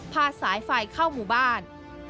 สายไฟเข้าหมู่บ้าน